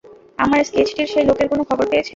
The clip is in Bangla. আমার স্কেচটির সেই লোকের কোন খবর পেয়েছেন?